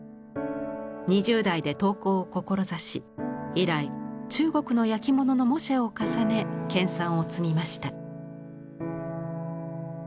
２０代で陶工を志し以来中国の焼き物の模写を重ね研さんを積みました。